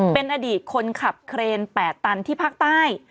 เป็นอดีตคนขับเครน๘ตันที่ภาคใต้